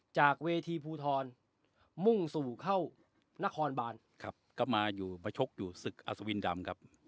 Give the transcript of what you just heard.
จากเวทีภูทรมุ่งสู่เข้านครบานครับก็มาอยู่มาชกอยู่ศึกอัศวินดำครับ